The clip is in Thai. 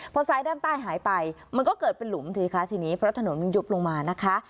พอซ้ายด้านใต้หายไปมันก็เกิดเป็นหลุมสิคะทีนี้เพราะถนนมันยุบลงมานะคะ